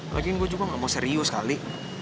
lagi gue juga gak mau serius kali